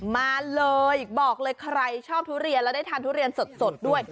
มาเลยบอกเลยใครชอบทุเรียนแล้วได้ทานทุเรียนสดด้วย